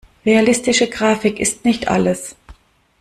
Realistische Grafik ist nicht alles.